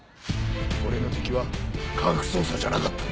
俺の敵は科学捜査じゃなかった。